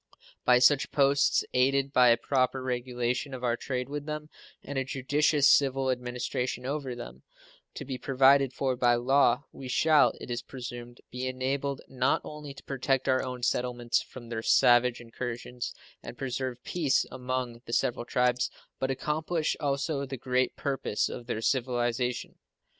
By such posts, aided by a proper regulation of our trade with them and a judicious civil administration over them, to be provided for by law, we shall, it is presumed, be enabled not only to protect our own settlements from their savage incursions and preserve peace among the several tribes, but accomplish also the great purpose of their civilization.